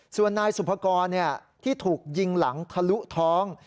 ส่วนนายสุภกรที่ถูกยิงหลังทะลุท้อง